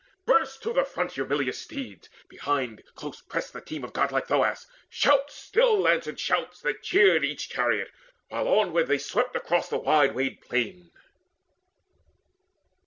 Burst to the front Eumelus' steeds: behind Close pressed the team of godlike Thoas: shouts Still answered shouts that cheered each chariot, while Onward they swept across the wide wayed plain.